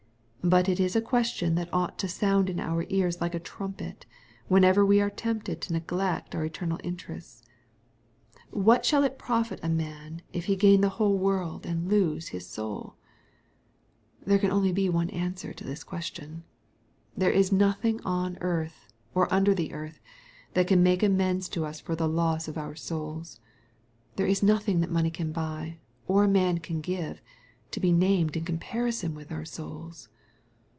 But it is a question that ought to sound in our ears like a trumpet, whenever we are tempted to neglect our eternal interests :^^ What shall it profit a man if he gain the whole world and lose his own soul ?" MATTHEW, CHAP. XVI. 203 There can only be one answer to this question. There is nothing on earth, or under the earth, that can make amends to us for the loss of our souls. There is nothing that money can buy, or man can give, to be named in comparison with our souls.